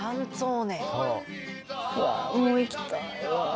もう行きたいわ。